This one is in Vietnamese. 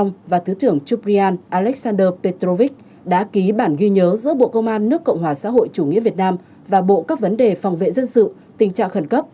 nhớ giữa bộ công an nước cộng hòa xã hội chủ nghĩa việt nam và bộ các vấn đề phòng vệ dân sự tình trạng khẩn cấp